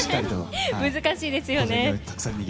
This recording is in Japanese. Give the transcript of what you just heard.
難しいですよね。